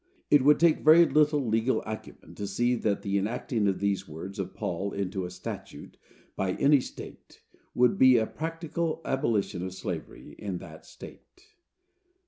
It would take very little legal acumen to see that the enacting of these words of Paul into a statute by any state would be a practical abolition of slavery in that state.